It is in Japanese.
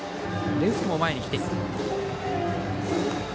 レフトも前に来ています。